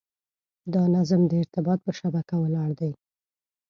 دا نظم د ارتباط په شبکه ولاړ دی.